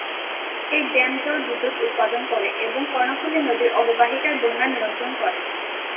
এই ড্যাম জল বিদ্যুৎ উৎপাদন করে এবং কর্ণফুলী নদীর অববাহিকায় বন্যা নিয়ন্ত্রণ করে।